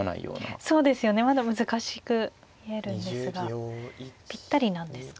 そうですよねまだ難しく見えるんですがぴったりなんですか。